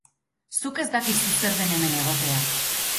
Zuk ez dakizu zer den hemen egotea.